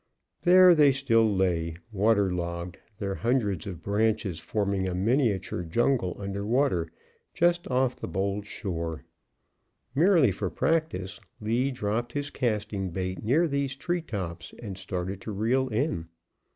There they still lay, water logged, their hundreds of branches forming a miniature jungle under water, just off the bold shore. Merely for practise, Lee dropped his casting bait near these treetops, and started to reel in.